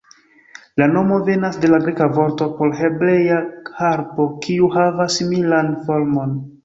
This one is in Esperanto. La nomo venas de la greka vorto por hebrea harpo, kiu havas similan formon.